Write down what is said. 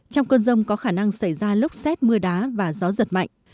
trong cơn rông có khả năng xảy ra lốc xét mưa đá và gió giật mạnh